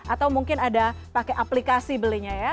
atau mungkin ada pakai aplikasi belinya ya